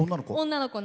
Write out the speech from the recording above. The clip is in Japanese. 女の子？